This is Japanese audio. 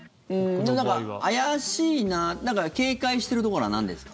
なんか怪しいな警戒しているところはなんですか？